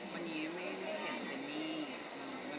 วันนี้ไม่ได้เห็นเจนนี่